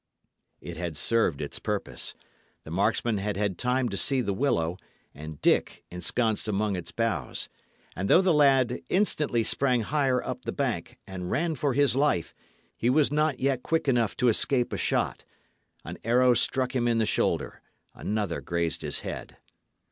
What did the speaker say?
It had served its purpose. The marksmen had had time to see the willow, and Dick ensconced among its boughs; and though the lad instantly sprang higher up the bank, and ran for his life, he was yet not quick enough to escape a shot. An arrow struck him in the shoulder, another grazed his head.